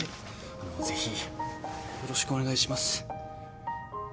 あのぜひよろしくお願いします。